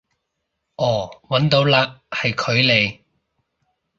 哦搵到嘞，係佢嚟